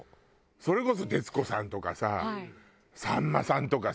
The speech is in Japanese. それこそ徹子さんとかささんまさんとかさ